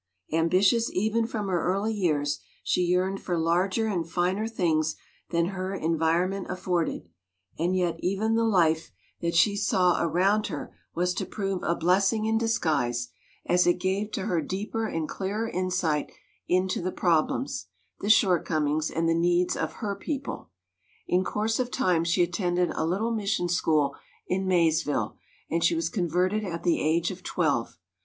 Am bitious even from her early years, she yearned for larger and finer things than her environment afforded; and yet even the life 73 74 WOMEN OF ACHIEVEMENT that she saw around her was to prove a blessing in disguise, as it gave to her deeper and clearer insight into the problems, the shortcomings, and the needs of her people. In course of time she attended a little mis sion school in Mayesville, and she was con verted at the age of twelve.